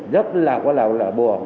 rất là bùn